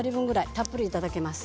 たっぷりいただけます。